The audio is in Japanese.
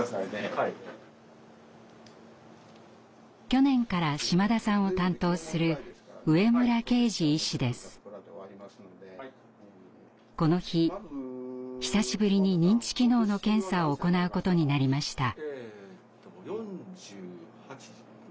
去年から島田さんを担当するこの日久しぶりに認知機能の検査を行うことになりました。